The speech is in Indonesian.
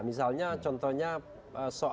misalnya contohnya soal keterlibatan interlokasi